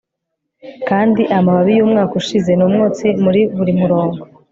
kandi amababi y'umwaka ushize ni umwotsi muri buri murongo